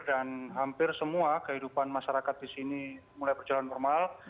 dan hampir semua kehidupan masyarakat di sini mulai berjalan normal